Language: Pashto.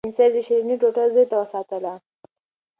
سپین سرې د شیرني ټوټه زوی ته وساتله.